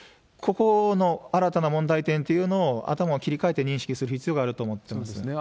ここの新たな問題点というのを、頭を切り替えて認識する必要があると思ってます。